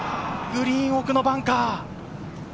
グリーン奥のバンカー。